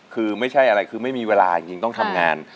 คือไม่ใช่อะไรคือไม่มีเวลาจริงต้องทำงาน